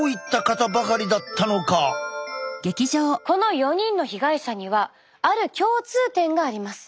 この４人の被害者にはある共通点があります。